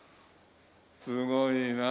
すごいな。